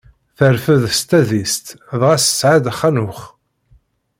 Terfed s tadist dɣa tesɛa-d Ḥanux.